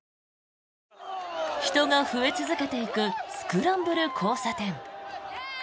人が増え続けていくスクランブル交差点。